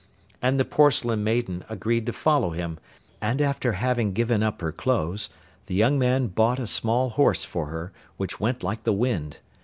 And the Porcelain Maiden agreed to follow him, and after having given up her clothes, the young man bought a small horse for her, which went like the wind.